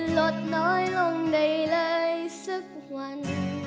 ลดน้อยลงได้เลยสักวัน